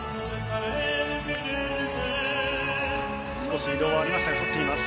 少し移動はありましたが取っています。